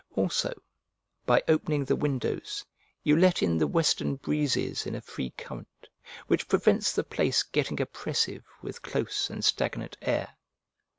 Also, by opening the windows you let in the western breezes in a free current, which prevents the place getting oppressive with close and stagnant air.